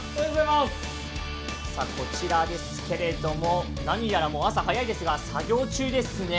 こちらですけれど、何やら朝早いですが、作業中ですね。